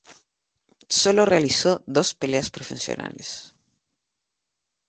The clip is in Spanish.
Solo realizó dos peleas profesionales.